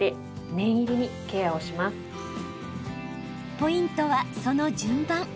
ポイントはその順番。